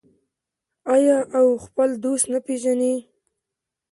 آیا او خپل دوست نه پیژني؟